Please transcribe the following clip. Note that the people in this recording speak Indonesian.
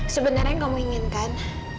sebenernya kamu inginkan